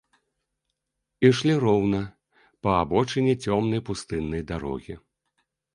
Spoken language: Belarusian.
Ішлі роўна, па абочыне цёмнай пустыннай дарогі.